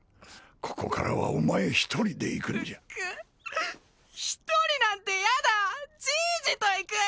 ここからはお前一人で行くんじゃ一人なんてやだじいじと行く！